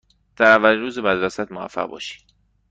در اولین روز مدرسه ات موفق باشی.